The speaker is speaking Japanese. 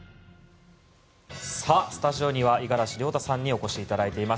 スタジオには五十嵐亮太さんにお越しいただいています。